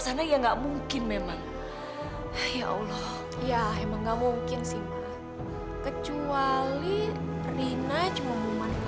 kamu yang memperkuat keadaan